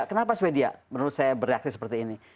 kenapa swedia menurut saya bereaksi seperti ini